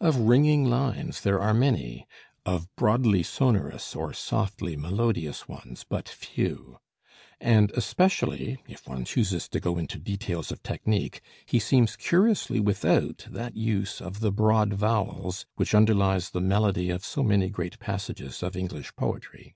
Of ringing lines there are many; of broadly sonorous or softly melodious ones but few; and especially (if one chooses to go into details of technic) he seems curiously without that use of the broad vowels which underlies the melody of so many great passages of English poetry.